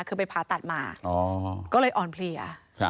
คือไปผ่าตัดมาก็เลยอ่อนเพลีย